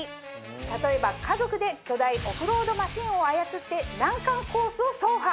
例えば家族で巨大オフロードマシンを操って難関コースを走破